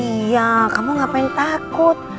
iya kamu ngapain takut